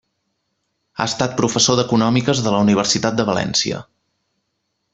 Ha estat professor d'econòmiques de la Universitat de València.